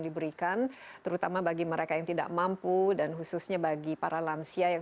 diberikan terutama bagi mereka yang tidak mampu dan khususnya bagi para lansia yang